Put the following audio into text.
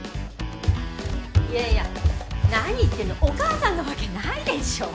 いやいや何言ってんのお母さんなわけないでしょ。